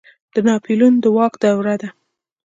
د ناپلیون د واک دوره ده.